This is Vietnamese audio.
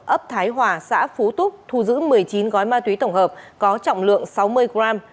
ấp thái hòa xã phú túc thu giữ một mươi chín gói ma túy tổng hợp có trọng lượng sáu mươi gram